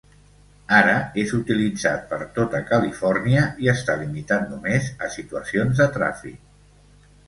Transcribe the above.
Ara és utilitzat per tota Califòrnia i està limitat només a situacions de tràfic.